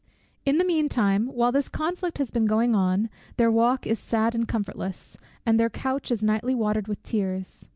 In the mean time while this conflict has been going on, their walk is sad and comfortless, and their couch is nightly watered with tears.